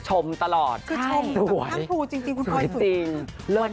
ชมตลอดค่ะกระท่ายพูดจริงคุณพอยสุดยอดมาก